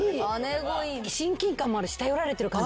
親近感もあるし頼られてる感じもするし。